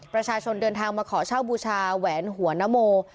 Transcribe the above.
ประชาชนเดินทางมาขอเช่าบูชาแหวนหัวนโม